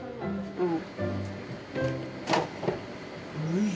うん？